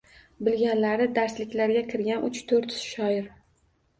Bilganlari darsliklarga kirgan uch-to‘rt shoir.